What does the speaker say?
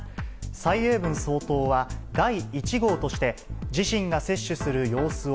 蔡英文総統は、第１号として、自身が接種する様子を、